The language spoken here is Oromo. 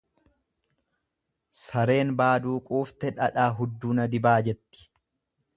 Sareen baaduu quufte dhadhaa hudduu na dibaa jetti.